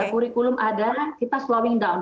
kurikulum adalah kita slowing down